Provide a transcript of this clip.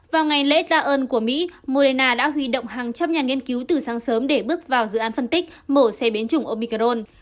vào ngày lễ tạ ơn của mỹ moderna đã huy động hàng trăm nhà nghiên cứu từ sáng sớm để bước vào dự án phân tích mổ xe biến chủng obicaron